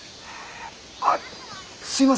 あっすみません！